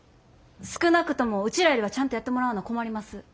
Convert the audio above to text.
少なくともウチらよりはちゃんとやってもらわな困ります。